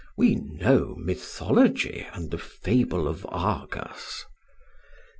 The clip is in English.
We know mythology and the fable of Argus."